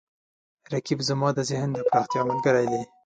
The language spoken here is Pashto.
رقیب زما د ذهن د پراختیا ملګری دی